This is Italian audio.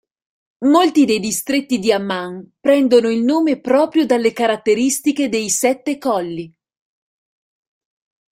Molti dei distretti di Amman prendono il nome proprio dalle caratteristiche dei "sette colli".